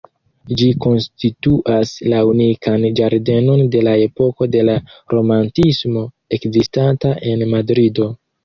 Ĝi konstituas la unikan ĝardenon de la epoko de la Romantismo ekzistanta en Madrido.